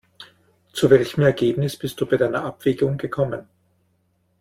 Zu welchem Ergebnis bist du bei deiner Abwägung gekommen?